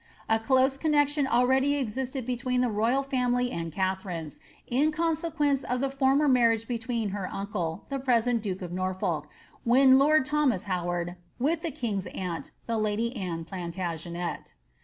A close connexion already existed between the rojal ftunily and Katharine^s, in consequence of the former marriage between her uncle, the present duke of Norfolk, when lord Thomas Uowardi with the king^s aunt, the lady Anne Plantagenet.